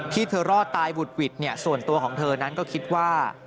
ที่เธอรอดตายบุดหวิดส่วนตัวของเธอนั้นก็คิดว่า